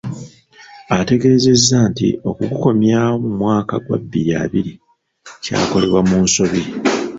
Ategeezezza nti okugukomyawo mu mwaka gwa bbiri abiri kyakolebwa mu nsobi.